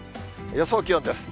予想気温です。